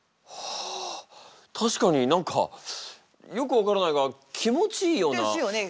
ああ確かに何かよく分からないが気持ちいいような。ですよね。